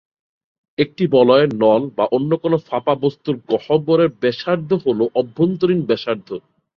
একটি বলয়, নল বা অন্য কোন ফাঁপা বস্তুর গহ্বরের ব্যাসার্ধ হল এর অভ্যন্তরীণ ব্যাসার্ধ।